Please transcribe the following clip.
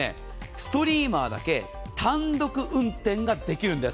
ストリーマだけ単独運転ができるんです。